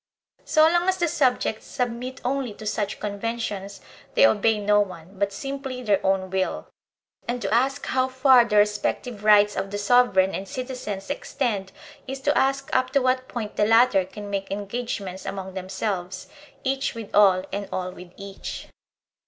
So long as the subjects submit only to such conventions, they obey no one, but simply their own will; and to ask how far the respective rights of the sovereign and citizens extend is to ask up to what point the latter can make engage ments among themselves, each with all and all with each.